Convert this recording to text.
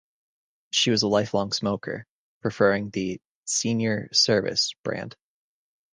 She was a lifelong smoker, preferring the "Senior Service" brand.